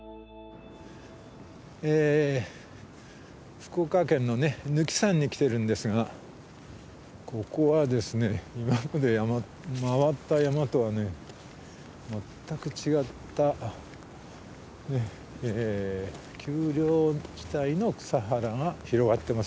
福岡県の貫山に来てるんですがここはですね今まで回った山とは全く違った丘陵地帯の草原が広がってます。